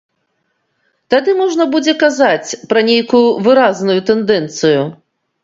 Тады можна будзе казаць пра нейкую выразную тэндэнцыю.